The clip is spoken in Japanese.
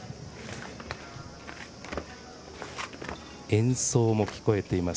演奏も聞こえています。